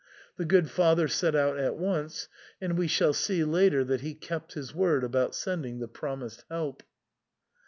The good Father set out at once, and we shall see later that he kept his word about sending the promised help.